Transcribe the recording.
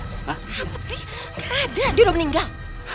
apa sih gak ada dia udah meninggal